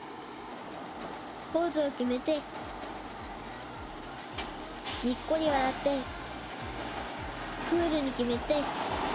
ポーズをきめてにっこりわらってクールにきめて。